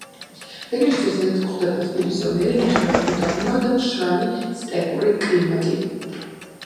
რეგიონში ძირითადათ გვხვდება თბილი ზომიერი ნახევრად უდაბნო და მშრალი სტეპური კლიმატი.